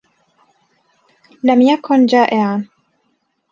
لم يكن جائعا.